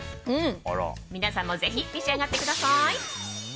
皆さんもぜひ召し上がってください。